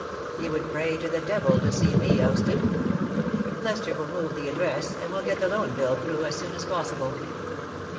He would pray to the devil to see me ousted Lester will move the address, and we'll get the Loan Bill through as soon as possible.